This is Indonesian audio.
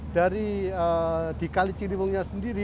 dari di kalijirimungnya sendiri